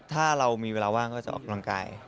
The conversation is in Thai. ถ้าเรามีเวลาว่างก็จะออกกำลังกาย